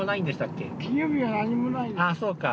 ああそうか。